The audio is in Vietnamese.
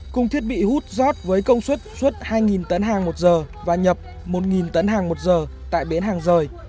cùng thiết bị hút giót với công suất suất hai tấn hàng một giờ và nhập một tấn hàng một giờ tại bến hàng rời